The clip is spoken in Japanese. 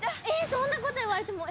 そんなこと言われても。